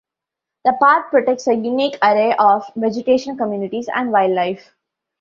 The park protects a unique array of vegetation communities and wildlife.